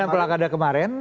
dan pelanggada kemarin